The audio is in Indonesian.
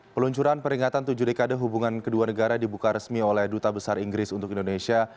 peluncuran peringatan tujuh dekade hubungan kedua negara dibuka resmi oleh duta besar inggris untuk indonesia